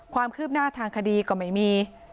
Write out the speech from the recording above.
ความคืบหน้าทางคดีก็ไม่มี